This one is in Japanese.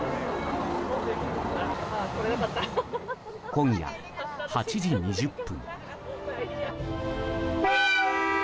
今夜８時２０分。